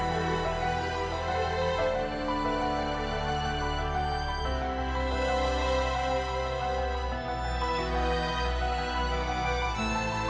uangnya udah ada